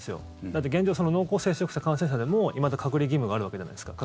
だって、現状濃厚接触者、感染者でもいまだ隔離義務があるわけじゃないですか。